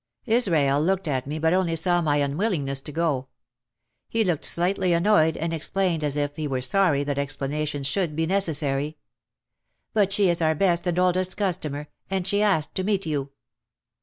Israel looked at me but only saw my unwillingness to go. He looked slightly annoyed and explained as if he were sorry that explanations should be necessary. "But she is our best and oldest customer, and she asked to meet you."